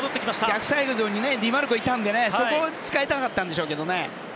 逆サイドにディマルコがいたのでそこを使いたかったんでしょうけど。